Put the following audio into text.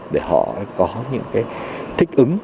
để họ có những cái thích ứng